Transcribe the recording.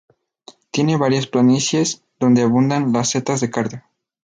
Tiene varias planicies, donde abundan las setas de cardo.